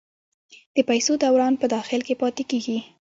د پیسو دوران په داخل کې پاتې کیږي؟